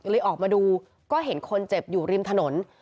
เลยออกมาดูก็เห็นคนเจ็บอยู่ริมถนน